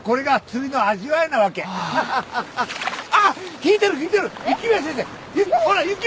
引いてる引いてる！